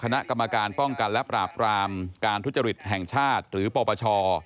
คณะกรรมการป้องกันและปราบรามการทุจริตแห่งชาติหรือปปช